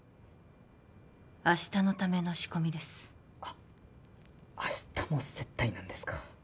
明日のための仕込みですあっ明日も接待なんですか？